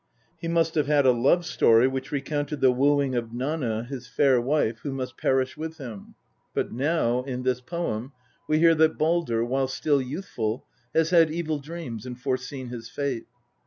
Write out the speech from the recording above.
He must have had a love story which recounted the wooing of Nanna, his fair wife, who must perish with him ; but now, in this poem, we hear that Baldr, while still youthful, has had evil dreams and forseen his fate.